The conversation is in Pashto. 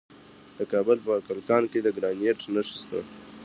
د کابل په کلکان کې د ګرانیټ نښې شته.